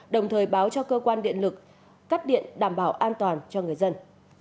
đồng thời báo cho cơ quan điện lực cắt điện đảm bảo an toàn cho người dân